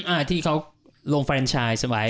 อ่าที่เขาลงแฟรนชายส์ไว้